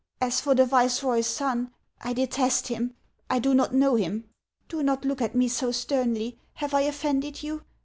As for the viceroy's son, I detest bim ; I do not know him. Do not look at me so sternly; have I offended you